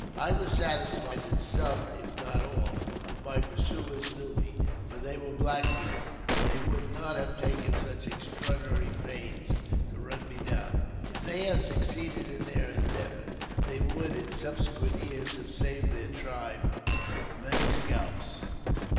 * I was satisfied that some (if not all) of my pursuers knew me, for they were Black Feet, or they would not have taken such extraordinary pains to run me down. If they had suc ceeded in their endeavour, they would, in subsequent years, have saved their tribe many scalps.